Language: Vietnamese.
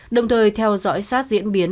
đồng thời theo dõi sát diễn biến